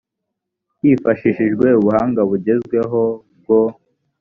hifashishijwe ubuhanga bugezweho bwo